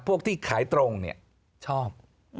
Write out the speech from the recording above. ที่ขายตรงเนี่ยชอบ